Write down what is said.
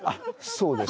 そうです。